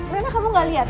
lena kamu gak lihat